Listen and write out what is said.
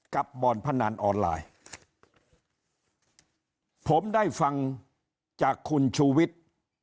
บ่อนพนันออนไลน์ผมได้ฟังจากคุณชูวิทย์